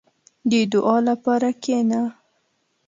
• د دعا لپاره کښېنه.